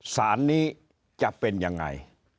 สารนี้จะเป็นยังไง